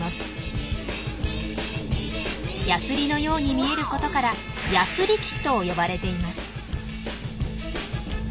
ヤスリのように見えることから「ヤスリ器」と呼ばれています。